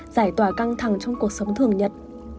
giải tỏa căng thẳng trong cuộc sống thường nhật